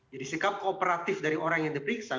jadi sikap kooperatif dari orang yang diperiksa